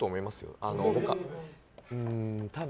多分。